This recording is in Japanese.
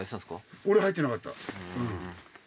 俺入ってなかった。